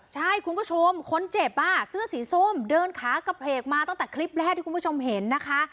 ใช่คุณผู้ชมคนเจ็บเสื้อสีส้มเดินขากระเพลกมาตั้งแต่คลิปแรกที่คุณผู้ชมเห็นนะคะ